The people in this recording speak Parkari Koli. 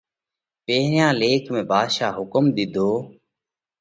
پيرهيان ليک ۾ ڀاڌشا حُڪم ۮِيڌو